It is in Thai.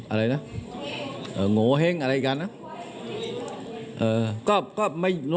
อะไรนะโงเห้งอะไรอีกกันนะ